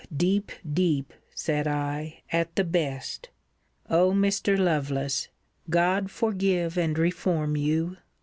deep! deep! said I, at the best! O Mr. Lovelace! God forgive and reform you!